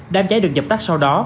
đám cháy được dập tắt sau đó